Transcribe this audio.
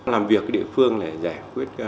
làm việc địa phương để giải quyết